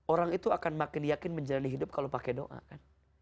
orang itu akan makin yakin menjalani hidup kalau pakai doa kan